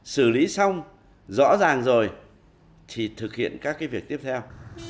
xử lý xong rõ ràng rồi thì thực hiện các cái việc tiếp theo